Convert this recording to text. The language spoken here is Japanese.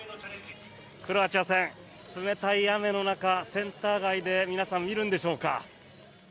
クロアチア戦冷たい雨の中、センター街で皆さん、見るんでしょうか。